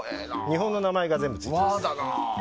日本の名前が全部ついてます。